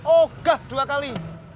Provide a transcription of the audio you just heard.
oga dua kali